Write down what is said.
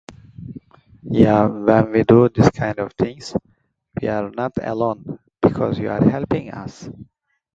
Johnson Presents.